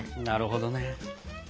なるほどね。